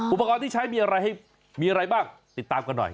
อุปกรณ์ที่ใช้มีอะไรให้มีอะไรบ้างติดตามกันหน่อย